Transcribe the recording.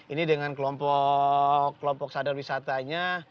ini dengan kelompok sadar wisatanya